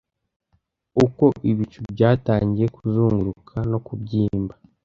uko ibicu byatangiye kuzunguruka no kubyimba.